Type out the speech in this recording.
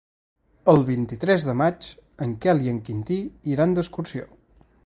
El vint-i-tres de maig en Quel i en Quintí iran d'excursió.